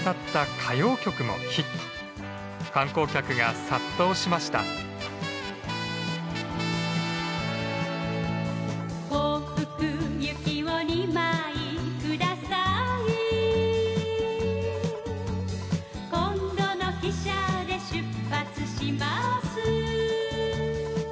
「今度の汽車で出発します」